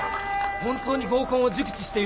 本当に合コンを熟知している。